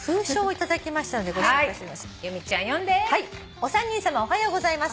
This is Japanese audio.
「お三人さまおはようございます」